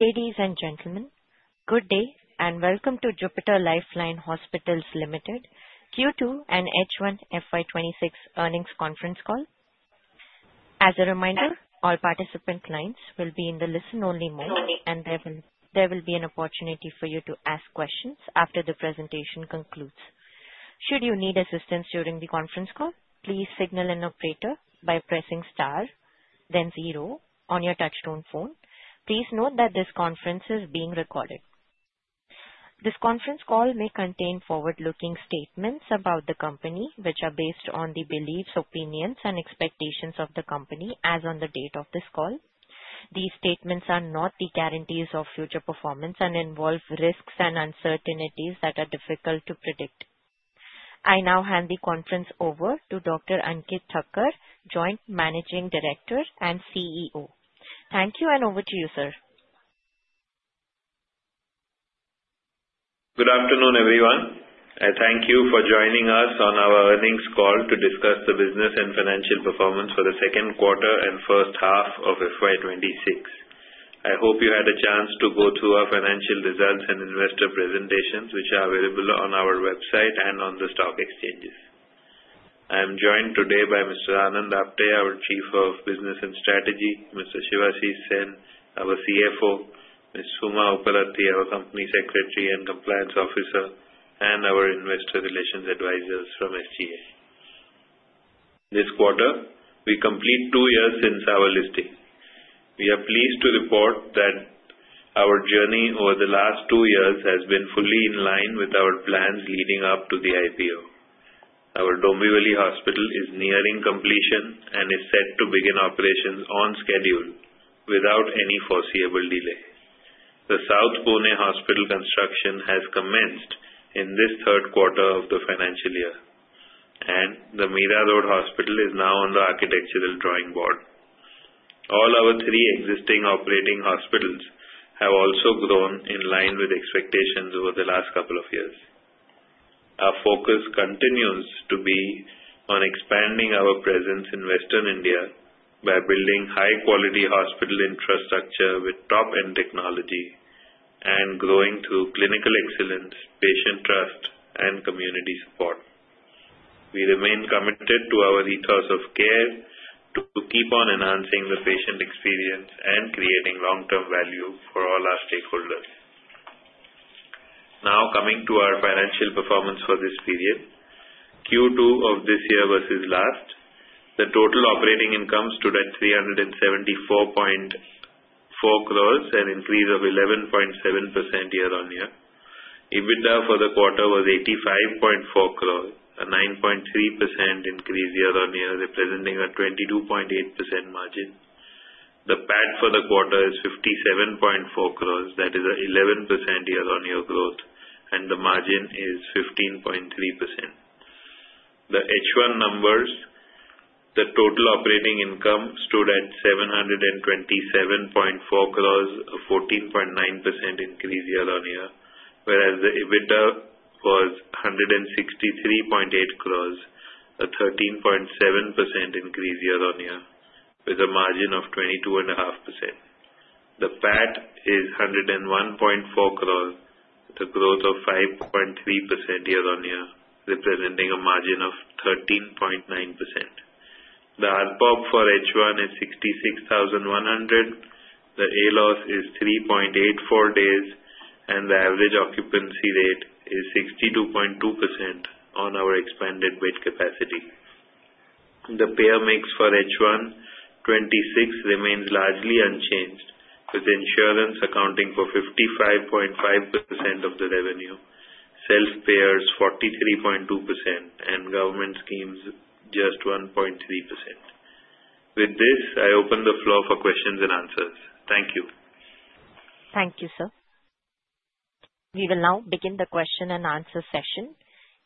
Ladies and gentlemen, good day and welcome to Jupiter Life Line Hospitals Limited Q2 and H1 FY26 earnings conference call. As a reminder, all participant lines will be in the listen-only mode, and there will be an opportunity for you to ask questions after the presentation concludes. Should you need assistance during the conference call, please signal an operator by pressing star, then zero on your touch-tone phone. Please note that this conference is being recorded. This conference call may contain forward-looking statements about the company, which are based on the beliefs, opinions, and expectations of the company as on the date of this call. These statements are not the guarantees of future performance and involve risks and uncertainties that are difficult to predict. I now hand the conference over to Dr. Ankit Thakker, Joint Managing Director and CEO. Thank you, and over to you, sir. Good afternoon, everyone. I thank you for joining us on our earnings call to discuss the business and financial performance for the second quarter and first half of FY26. I hope you had a chance to go through our financial results and investor presentations, which are available on our website and on the stock exchanges. I am joined today by Mr. Anand Apte, our Chief of Business and Strategy, Mr. Sankha Sen, our CFO, Ms. Suma Upparatti, our Company Secretary and Compliance Officer, and our Investor Relations Advisors from SGA. This quarter, we complete two years since our listing. We are pleased to report that our journey over the last two years has been fully in line with our plans leading up to the IPO. Our Dombivli Hospital is nearing completion and is set to begin operations on schedule without any foreseeable delay. The South Pune Hospital construction has commenced in this third quarter of the financial year, and the Mira Road Hospital is now on the architectural drawing board. All our three existing operating hospitals have also grown in line with expectations over the last couple of years. Our focus continues to be on expanding our presence in Western India by building high-quality hospital infrastructure with top-end technology and growing through clinical excellence, patient trust, and community support. We remain committed to our ethos of care, to keep on enhancing the patient experience, and creating long-term value for all our stakeholders. Now coming to our financial performance for this period, Q2 of this year versus last, the total operating income stood at 374.4 crores and increased by 11.7% year-on-year. EBITDA for the quarter was 85.4 crores, a 9.3% increase year-on-year, representing a 22.8% margin. The PAT for the quarter is 57.4 crores, that is a 11% year-on-year growth, and the margin is 15.3%. The H1 numbers, the total operating income stood at 727.4 crores, a 14.9% increase year-on-year, whereas the EBITDA was 163.8 crores, a 13.7% increase year-on-year, with a margin of 22.5%. The PAT is 101.4 crores, with a growth of 5.3% year-on-year, representing a margin of 13.9%. The ARPOB for H1 is 66,100. The ALOS is 3.84 days, and the average occupancy rate is 62.2% on our expanded bed capacity. The payer mix for H1 FY26 remains largely unchanged, with insurance accounting for 55.5% of the revenue, self-payers 43.2%, and government schemes just 1.3%. With this, I open the floor for questions and answers. Thank you. Thank you, sir. We will now begin the question and answer session.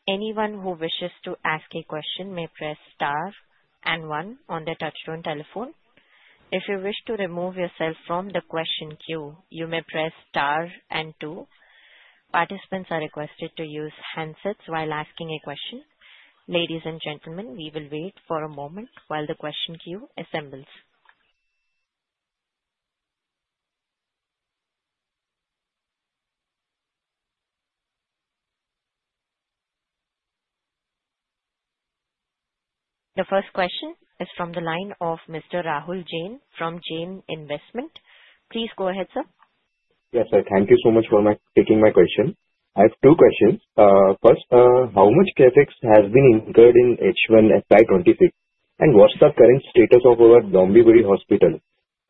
Anyone who wishes to ask a question may press star and one on the touch-tone telephone. If you wish to remove yourself from the question queue, you may press star and two. Participants are requested to use handsets while asking a question. Ladies and gentlemen, we will wait for a moment while the question queue assembles. The first question is from the line of Mr. Rahul Jain from Jain Investment. Please go ahead, sir. Yes, sir. Thank you so much for taking my question. I have two questions. First, how much CapEx has been incurred in H1 FY26, and what's the current status of our Dombivli Hospital?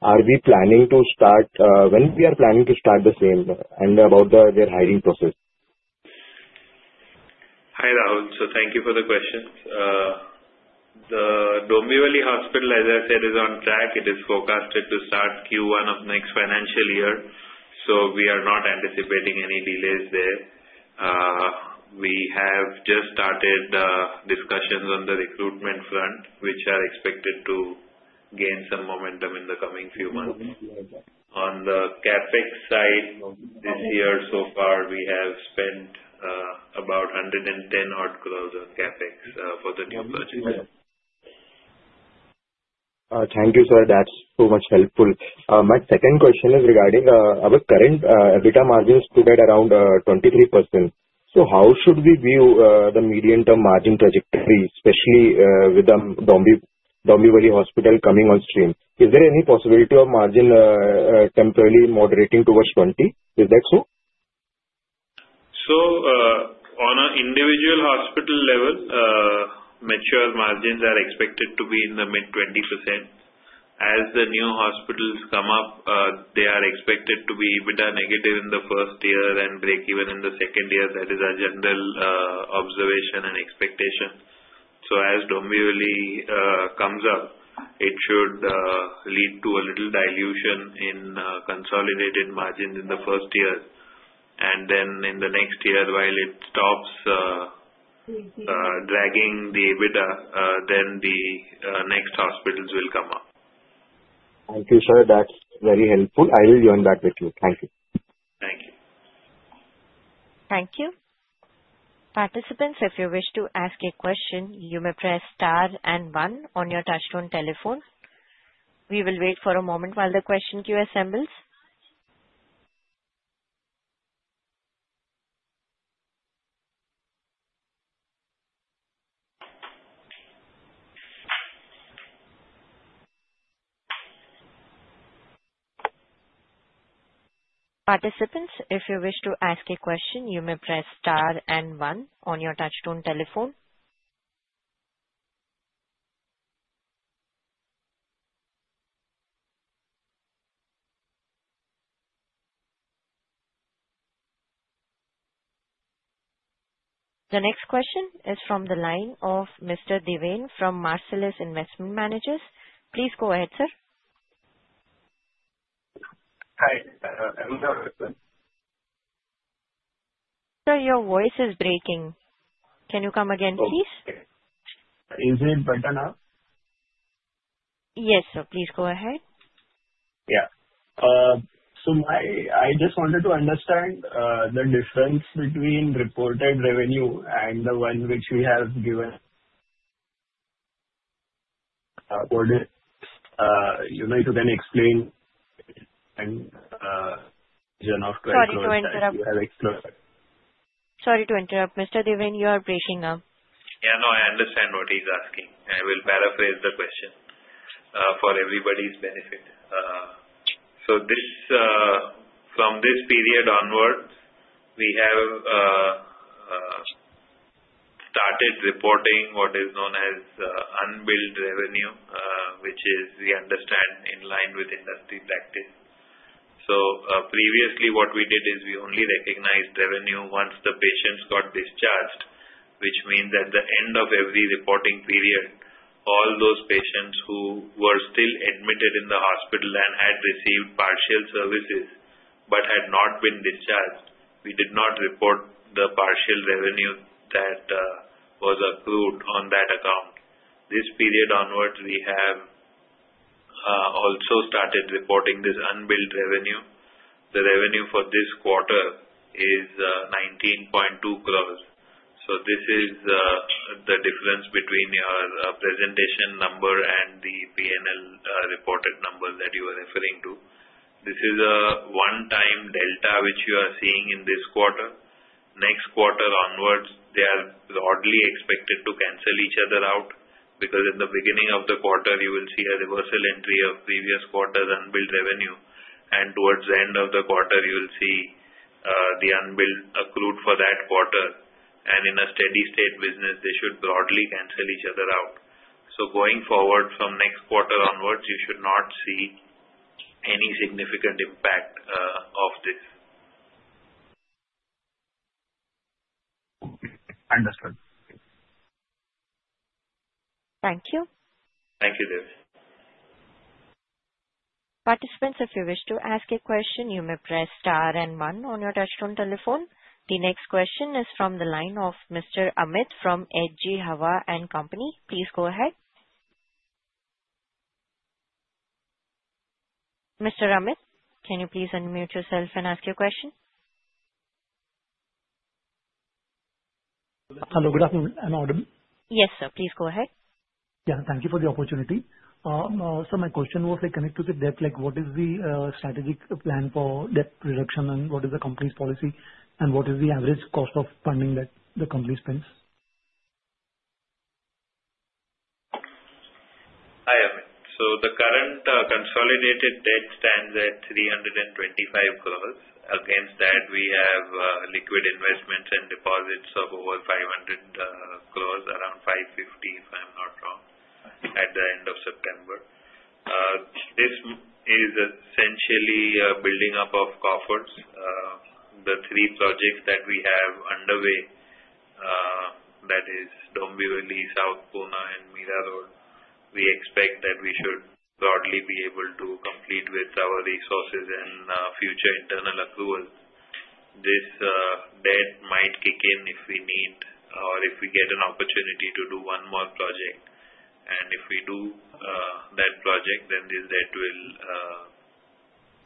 Are we planning to start when we are planning to start the sale, and about their hiring process? Hi Rahul. So thank you for the questions. The Dombivli Hospital, as I said, is on track. It is forecasted to start Q1 of next financial year, so we are not anticipating any delays there. We have just started the discussions on the recruitment front, which are expected to gain some momentum in the coming few months. On the CapEx side, this year so far, we have spent about 110-odd crores on CapEx for the new project. Thank you, sir. That's so much helpful. My second question is regarding our current EBITDA margin is stood at around 23%. So how should we view the medium-term margin trajectory, especially with Dombivli Hospital coming on stream? Is there any possibility of margin temporarily moderating towards 20%? Is that so? So on an individual hospital level, mature margins are expected to be in the mid-20%. As the new hospitals come up, they are expected to be EBITDA negative in the first year and break even in the second year. That is our general observation and expectation. So as Dombivli comes up, it should lead to a little dilution in consolidated margins in the first year. And then in the next year, while it stops dragging the EBITDA, then the next hospitals will come up. Thank you, sir. That's very helpful. I will join back with you. Thank you. Thank you. Thank you. Participants, if you wish to ask a question, you may press star and one on your touch-tone telephone. We will wait for a moment while the question queue assembles. Participants, if you wish to ask a question, you may press star and one on your touch-tone telephone. The next question is from the line of Mr. Devane from Marcellus Investment Managers. Please go ahead, sir. Hi. I'm sorry. Sir, your voice is breaking. Can you come again, please? Is it better now? Yes, sir. Please go ahead. Yeah. So I just wanted to understand the difference between reported revenue and the one which we have given? You know, if you can explain in the version of 2020 we have explored? Sorry to interrupt. Mr. Devane, you are breaking up. Yeah, no, I understand what he's asking. I will paraphrase the question for everybody's benefit. So from this period onwards, we have started reporting what is known as unbilled revenue, which we understand is in line with industry practice. So previously, what we did is we only recognized revenue once the patients got discharged, which means at the end of every reporting period, all those patients who were still admitted in the hospital and had received partial services but had not been discharged, we did not report the partial revenue that was accrued on that account. This period onwards, we have also started reporting this unbilled revenue. The revenue for this quarter is 19.2 crores. So this is the difference between your presentation number and the P&L reported number that you were referring to. This is a one-time delta which you are seeing in this quarter. Next quarter onwards, they are broadly expected to cancel each other out because in the beginning of the quarter, you will see a reversal entry of previous quarter's unbilled revenue, and towards the end of the quarter, you will see the unbilled accrued for that quarter, and in a steady-state business, they should broadly cancel each other out, so going forward from next quarter onwards, you should not see any significant impact of this. Understood. Thank you. Thank you, Devane. Participants, if you wish to ask a question, you may press star and one on your touch-tone telephone. The next question is from the line of Mr. Amit from H.G Hawa & Company. Please go ahead. Mr. Amit, can you please unmute yourself and ask your question? Hello. Good afternoon. Am I audible? Yes, sir. Please go ahead. Yeah. Thank you for the opportunity. So my question was connected to the debt. What is the strategic plan for debt reduction, and what is the company's policy, and what is the average cost of funding that the company spends? Hi, Amit. So the current consolidated debt stands at 325 crores. Against that, we have liquid investments and deposits of over 500 crores, around 550, if I'm not wrong, at the end of September. This is essentially a building up of coffers. The three projects that we have underway, that is Dombivli, South Pune, and Mira Road, we expect that we should broadly be able to complete with our resources and future internal approvals. This debt might kick in if we need or if we get an opportunity to do one more project. And if we do that project, then this debt will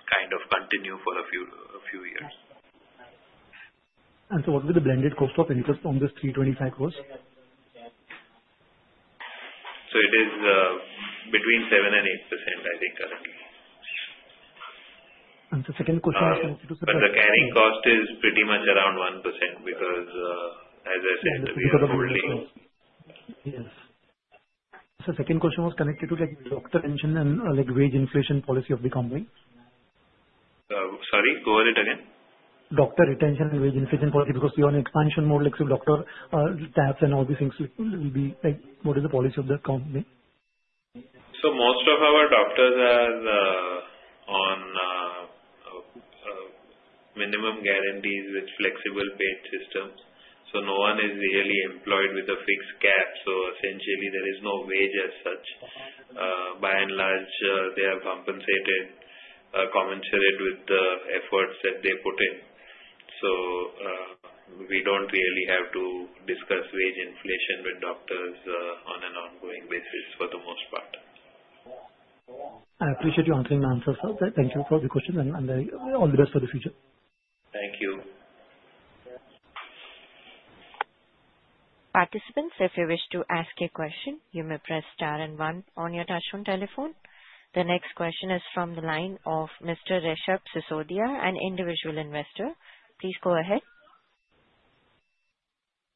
kind of continue for a few years. What will be the blended cost of interest on this 325 crores? So it is between 7 and 8%, I think, currently. The second question was connected to. But the carrying cost is pretty much around 1% because, as I said, the. Because of the billing. Yes. So the second question was connected to the doctor retention and wage inflation policy of the company. Sorry? Go ahead again. Doctor retention and wage inflation policy because we are on expansion mode, so doctor caps and all these things will be what is the policy of the company? So most of our doctors are on minimum guarantees with flexible paid systems. So no one is really employed with a fixed cap. So essentially, there is no wage as such. By and large, they are compensated, commensurate with the efforts that they put in. So we don't really have to discuss wage inflation with doctors on an ongoing basis for the most part. I appreciate you answering my questions. Thank you for the questions, and all the best for the future. Thank you. Participants, if you wish to ask a question, you may press star and one on your touch-tone telephone. The next question is from the line of Mr. Rishab Sisodia, an individual investor. Please go ahead.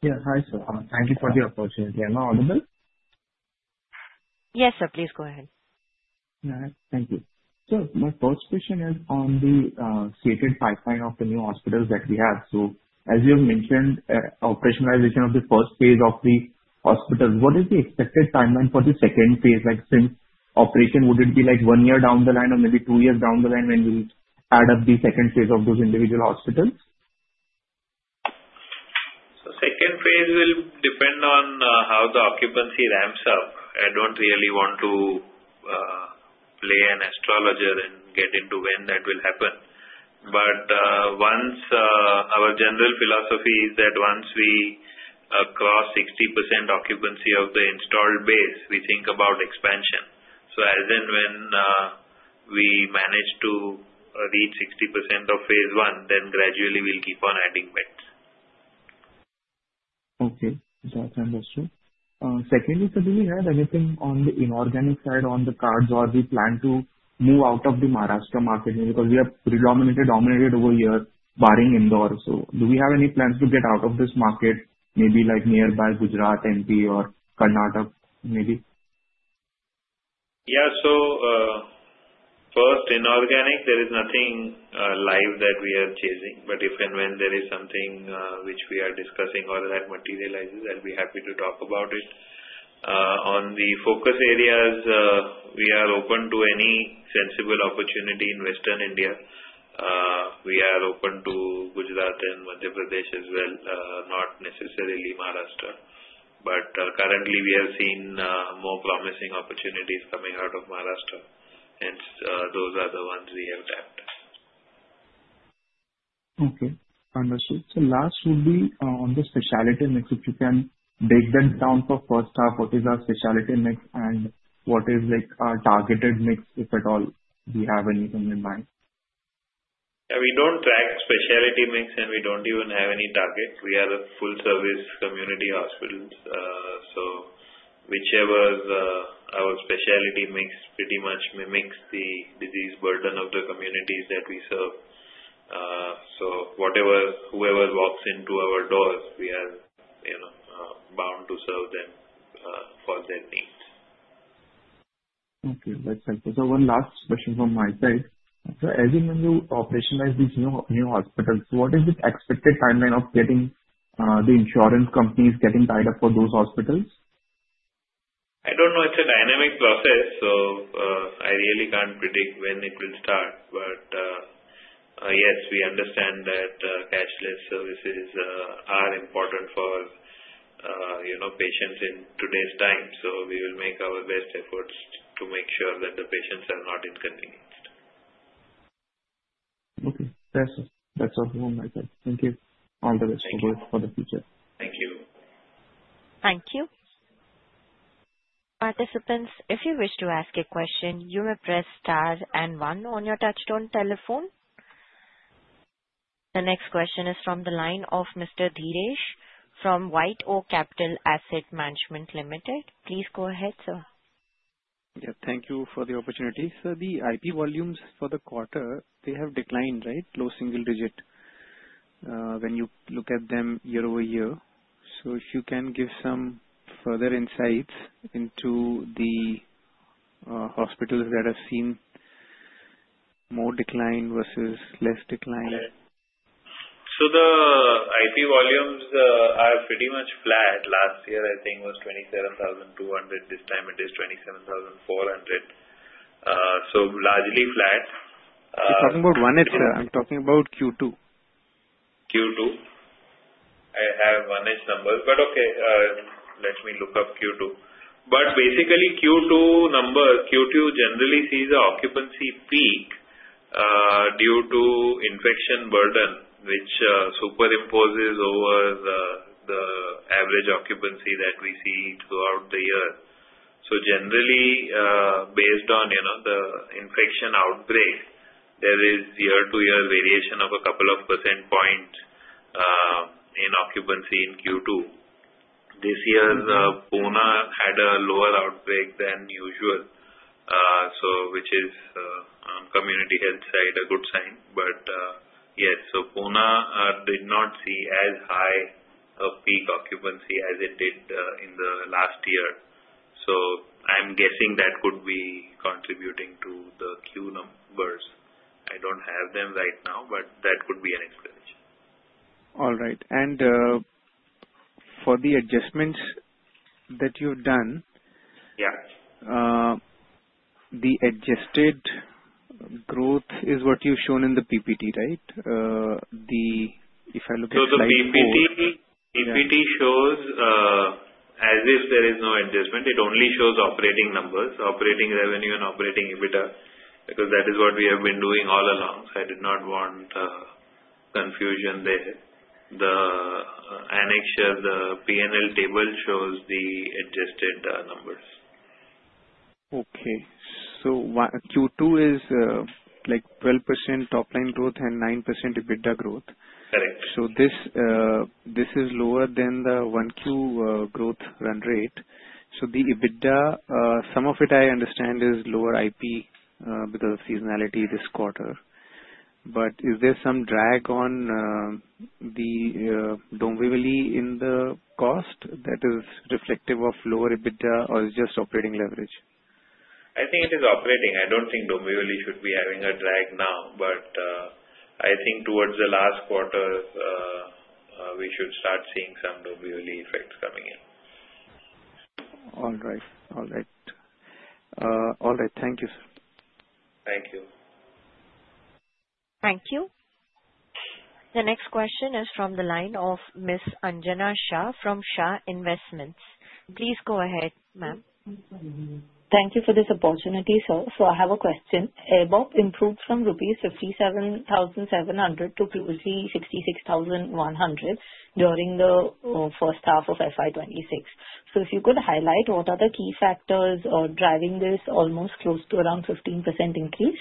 Yeah. Hi, sir. Thank you for the opportunity. Am I audible? Yes, sir. Please go ahead. All right. Thank you. So my first question is on the stated pipeline of the new hospitals that we have. So as you have mentioned, operationalization of the first phase of the hospitals, what is the expected timeline for the second phase? Since operation, would it be like one year down the line or maybe two years down the line when we add up the second phase of those individual hospitals? So second phase will depend on how the occupancy ramps up. I don't really want to play an astrologer and get into when that will happen. But our general philosophy is that once we cross 60% occupancy of the installed base, we think about expansion. So as and when we manage to reach 60% of phase one, then gradually we'll keep on adding beds. Okay. That's understood. Secondly, sir, do we have anything on the inorganic side on the cards, or do we plan to move out of the Maharashtra market? Because we have predominantly dominated over here, barring Indore. So do we have any plans to get out of this market, maybe nearby Gujarat, MP, or Karnataka maybe? Yeah. So first, inorganic, there is nothing live that we are chasing. But if and when there is something which we are discussing or that materializes, I'll be happy to talk about it. On the focus areas, we are open to any sensible opportunity in Western India. We are open to Gujarat and Madhya Pradesh as well, not necessarily Maharashtra. But currently, we have seen more promising opportunities coming out of Maharashtra. And those are the ones we have tapped. Okay. Understood. So last would be on the specialty mix. If you can break them down for first half, what is our specialty mix and what is our targeted mix, if at all we have anything in mind? We don't track specialty mix, and we don't even have any targets. We are a full-service community hospital. So whichever our specialty mix pretty much mimics the disease burden of the communities that we serve. So whoever walks into our doors, we are bound to serve them for their needs. Okay. That's helpful. So one last question from my side. So as in when you operationalize these new hospitals, what is the expected timeline of getting the insurance companies getting tied up for those hospitals? I don't know. It's a dynamic process, so I really can't predict when it will start. But yes, we understand that cashless services are important for patients in today's time. So we will make our best efforts to make sure that the patients are not inconvenienced. Okay. That's helpful from my side. Thank you. All the best for the future. Thank you. Thank you. Participants, if you wish to ask a question, you may press star and one on your touch-tone telephone. The next question is from the line of Mr. Dinesh from White Oak Capital Asset Management Limited. Please go ahead, sir. Yeah. Thank you for the opportunity. So the IP volumes for the quarter, they have declined, right? Low single digit when you look at them year-over-year. So if you can give some further insights into the hospitals that have seen more decline versus less decline. So the IP volumes are pretty much flat. Last year, I think, was 27,200. This time, it is 27,400. So largely flat. I'm talking about H1, sir. I'm talking about Q2. Q2? I have one edge number. But okay. Let me look up Q2. But basically, Q2 number, Q2 generally sees an occupancy peak due to infection burden, which superimposes over the average occupancy that we see throughout the year. So generally, based on the infection outbreak, there is year-to-year variation of a couple of percentage points in occupancy in Q2. This year, Pune had a lower outbreak than usual, which is, on the community health side, a good sign. But yes, so Pune did not see as high a peak occupancy as it did in the last year. So I'm guessing that could be contributing to the Q numbers. I don't have them right now, but that could be an explanation. All right. And for the adjustments that you've done, the adjusted growth is what you've shown in the PPT, right? If I look at the PPT. So the PPT shows as if there is no adjustment. It only shows operating numbers, operating revenue, and operating EBITDA because that is what we have been doing all along. So I did not want confusion there. The P&L table shows the adjusted numbers. Okay, so Q2 is like 12% top-line growth and 9% EBITDA growth. Correct. So this is lower than the one Q growth run rate. So the EBITDA, some of it I understand is lower IP because of seasonality this quarter. But is there some drag on the Dombivli in the cost that is reflective of lower EBITDA, or is it just operating leverage? I think it is operating. I don't think Dombivli should be having a drag now. But I think towards the last quarter, we should start seeing some Dombivli effects coming in. All right. Thank you, sir. Thank you. Thank you. The next question is from the line of Ms. Anjana Shah from Shah Investments. Please go ahead, ma'am. Thank you for this opportunity, sir. So I have a question. ARimproved from rupees 57,700 to 66,100 during the first half of FY26. So if you could highlight, what are the key factors driving this almost close to around 15% increase?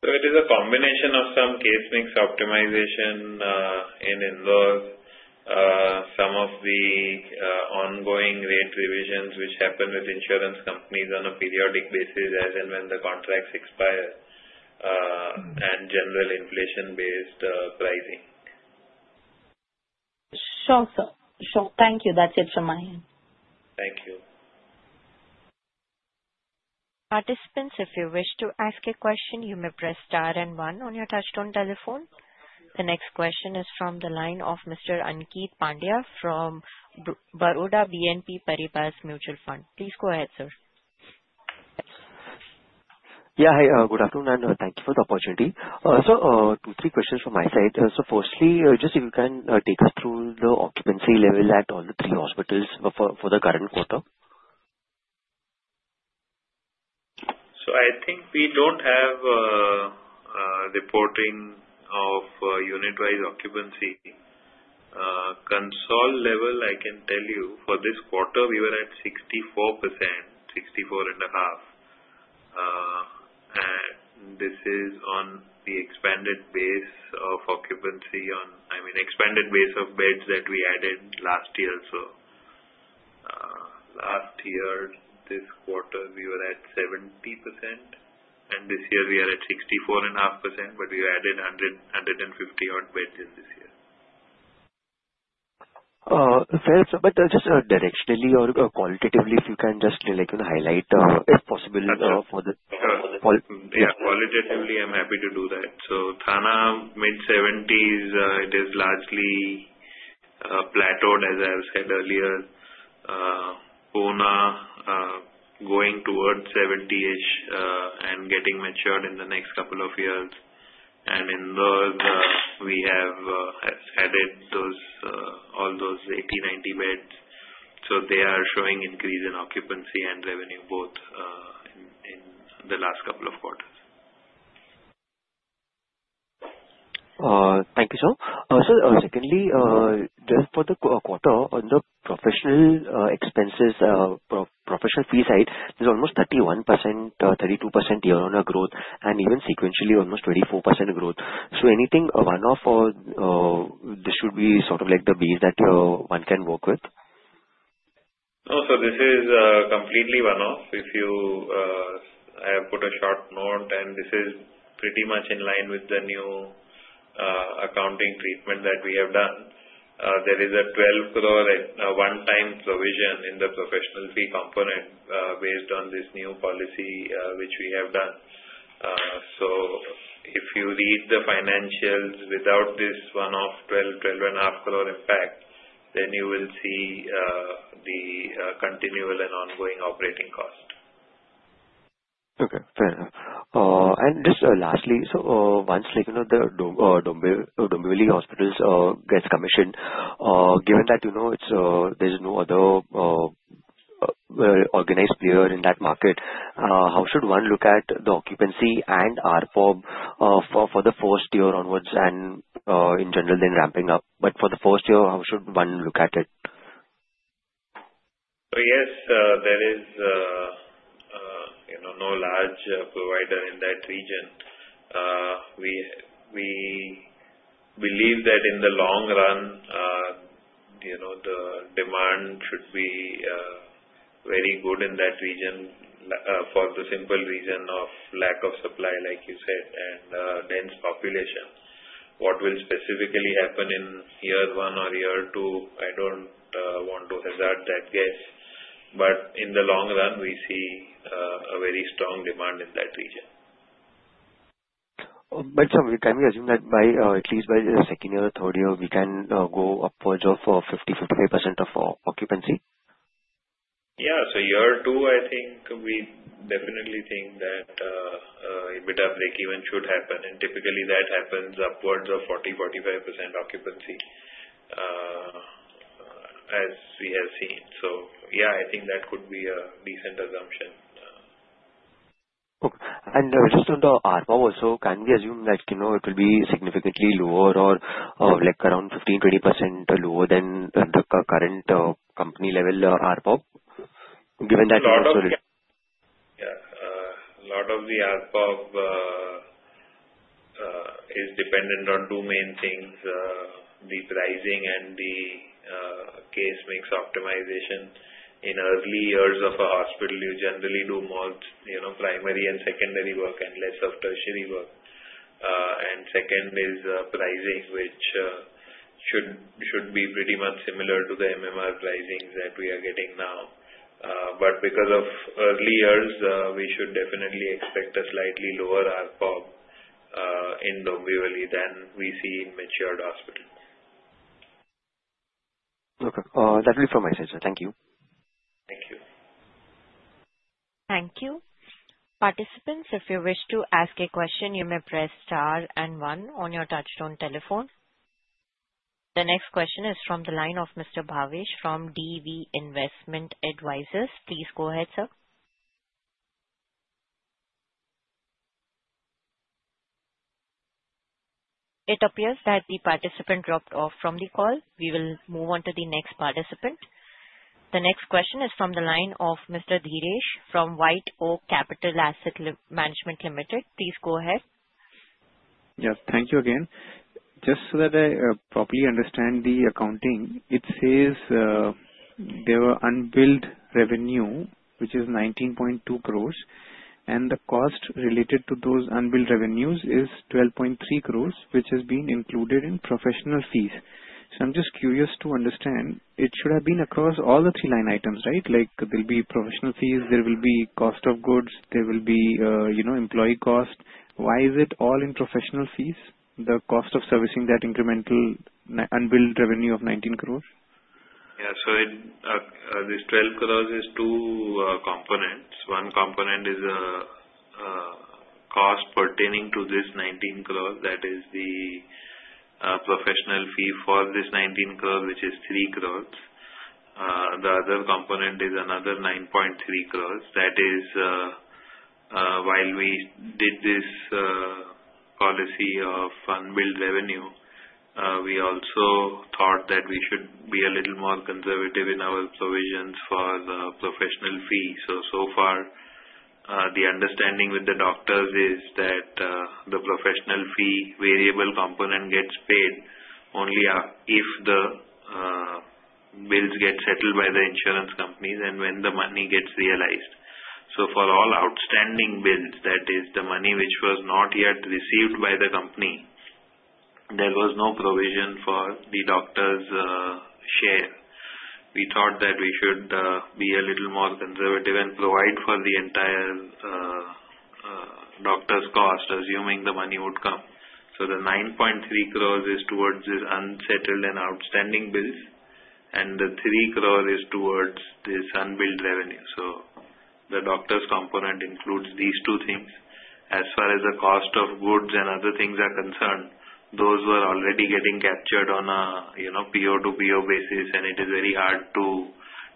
So it is a combination of some case mix optimization in Indore, some of the ongoing rate revisions which happen with insurance companies on a periodic basis as and when the contracts expire, and general inflation-based pricing. Sure, sir. Sure. Thank you. That's it from my end. Thank you. Participants, if you wish to ask a question, you may press star and one on your touch-tone telephone. The next question is from the line of Mr. Ankit Pandya from Baroda BNP Paribas Mutual Fund. Please go ahead, sir. Yeah. Hi. Good afternoon, and thank you for the opportunity. So two, three questions from my side. So firstly, just if you can take us through the occupancy level at all the three hospitals for the current quarter. I think we don't have reporting of unit-wise occupancy. Consolidated level, I can tell you, for this quarter, we were at 64%, 64.5%. And this is on the expanded base of occupancy on, I mean, expanded base of beds that we added last year. Last year, this quarter, we were at 70%. And this year, we are at 64.5%, but we added 150 odd beds in this year. But just directionally or qualitatively, if you can just highlight, if possible, for the. Yeah. Qualitatively, I'm happy to do that. So, Thane, mid-70s, it is largely plateaued, as I've said earlier. Pune, going towards 70-ish and getting matured in the next couple of years. And in those, we have added all those 80-90 beds. So they are showing increase in occupancy and revenue both in the last couple of quarters. Thank you, sir. So secondly, just for the quarter, on the professional expenses, professional fee side, there's almost 31%-32% year-on-year growth, and even sequentially, almost 24% growth. So anything one-off, or this should be sort of like the base that one can work with? No, sir. This is completely one-off. If you have put a short note, and this is pretty much in line with the new accounting treatment that we have done. There is a 12-crore one-time provision in the professional fee component based on this new policy which we have done. So if you read the financials without this one-off 12 crore, 12.5 crore impact, then you will see the continual and ongoing operating cost. Okay. Fair enough. And just lastly, so once the Dombivli Hospitals gets commissioned, given that there's no other organized player in that market, how should one look at the occupancy and RPOB for the first year onwards and in general then ramping up? But for the first year, how should one look at it? So yes, there is no large provider in that region. We believe that in the long run, the demand should be very good in that region for the simple reason of lack of supply, like you said, and dense population. What will specifically happen in year one or year two, I don't want to hazard that guess. But in the long run, we see a very strong demand in that region. But can we assume that at least by the second year or third year, we can go upwards of 50%-55% occupancy? Yeah. So year two, I think we definitely think that EBITDA break-even should happen. And typically, that happens upwards of 40%-45% occupancy as we have seen. So yeah, I think that could be a decent assumption. Okay. And just on the RPOB also, can we assume that it will be significantly lower or around 15%-20% lower than the current company level or RPOB, given that also? Yeah. A lot of the RPOB is dependent on two main things: the pricing and the case mix optimization. In early years of a hospital, you generally do more primary and secondary work and less of tertiary work. And second is pricing, which should be pretty much similar to the MMR pricing that we are getting now. But because of early years, we should definitely expect a slightly lower RPOB in Dombivli than we see in matured hospitals. Okay. That's it from my side, sir. Thank you. Thank you. Thank you. Participants, if you wish to ask a question, you may press star and one on your touch-tone telephone. The next question is from the line of Mr. Bhavesh from DV Investment Advisors. Please go ahead, sir. It appears that the participant dropped off from the call. We will move on to the next participant. The next question is from the line of Mr. Dinesh from White Oak Capital Asset Management Limited. Please go ahead. Yes. Thank you again. Just so that I properly understand the accounting, it says there were unbilled revenue, which is 19.2 crores, and the cost related to those unbilled revenues is 12.3 crores, which has been included in professional fees. So I'm just curious to understand. It should have been across all the three line items, right? There'll be professional fees, there will be cost of goods, there will be employee cost. Why is it all in professional fees, the cost of servicing that incremental unbilled revenue of 19 crores? Yeah. So this 12 crores is two components. One component is a cost pertaining to this 19 crores. That is the professional fee for this 19 crores, which is 3 crores. The other component is another 9.3 crores. That is, while we did this policy of unbilled revenue, we also thought that we should be a little more conservative in our provisions for the professional fee. So, so far, the understanding with the doctors is that the professional fee variable component gets paid only if the bills get settled by the insurance companies and when the money gets realized. So for all outstanding bills, that is, the money which was not yet received by the company, there was no provision for the doctor's share. We thought that we should be a little more conservative and provide for the entire doctor's cost, assuming the money would come. So the 9.3 crores is towards the unsettled and outstanding bills, and the 3 crores is towards this unbilled revenue. So the doctor's component includes these two things. As far as the cost of goods and other things are concerned, those were already getting captured on a period-to-period basis, and it is very hard to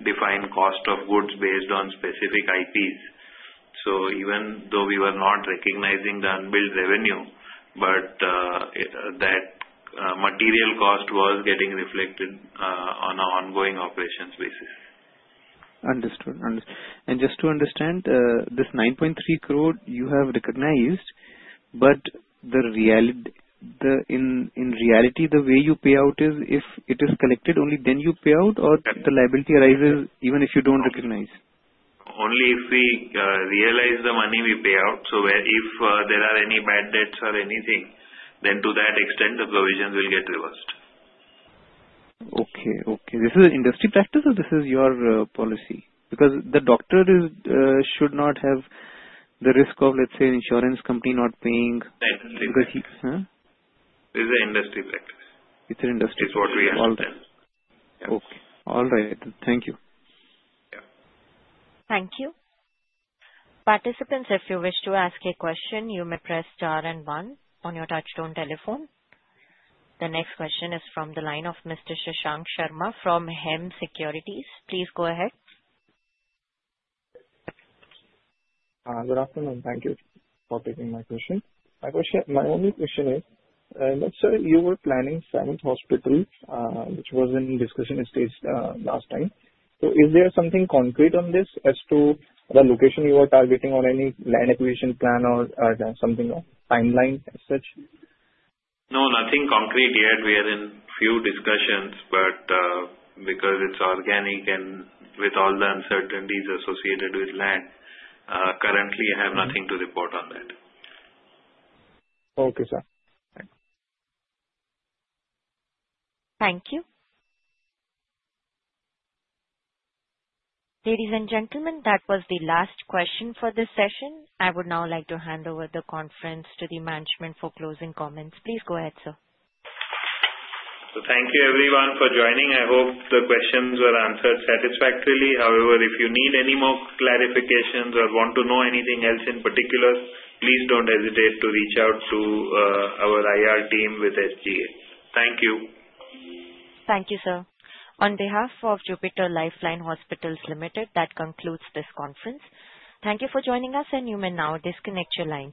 define cost of goods based on specific IPs. So even though we were not recognizing the unbilled revenue, but that material cost was getting reflected on an ongoing operations basis. Understood. And just to understand, this 9.3 crore, you have recognized, but in reality, the way you pay out is if it is collected, only then you pay out, or the liability arises even if you don't recognize? Only if we realize the money we pay out. So if there are any bad debts or anything, then to that extent, the provisions will get reversed. Okay. Okay. This is an industry practice, or this is your policy? Because the doctor should not have the risk of, let's say, an insurance company not paying. Exactly. It is an industry practice. It's an industry practice. It's what we understand. Yes. Okay. All right. Thank you. Yeah. Thank you. Participants, if you wish to ask a question, you may press star and one on your touch-tone telephone. The next question is from the line of Mr. Shashank Sharma from HEM Securities. Please go ahead. Good afternoon. Thank you for taking my question. My only question is, sir, you were planning seven hospitals, which was in discussion stage last time. So is there something concrete on this as to the location you are targeting or any land acquisition plan or something, timeline as such? No, nothing concrete yet. We are in few discussions, but because it's organic and with all the uncertainties associated with land, currently, I have nothing to report on that. Okay, sir. Thank you. Ladies and gentlemen, that was the last question for this session. I would now like to hand over the conference to the management for closing comments. Please go ahead, sir. So thank you, everyone, for joining. I hope the questions were answered satisfactorily. However, if you need any more clarifications or want to know anything else in particular, please don't hesitate to reach out to our IR team with SGA. Thank you. Thank you, sir. On behalf of Jupiter Life Line Hospitals Limited, that concludes this conference. Thank you for joining us, and you may now disconnect your lines.